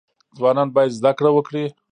ځوانان باید زده کړه وکړي